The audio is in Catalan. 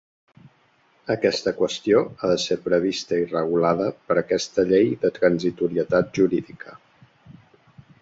Aquesta qüestió ha de ser prevista i regulada per aquesta llei de transitorietat jurídica.